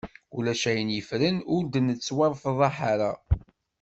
Ulac ayen yeffren ur d-nettwafḍaḥ ara.